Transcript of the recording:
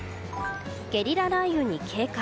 ゲリラ雷雨に警戒。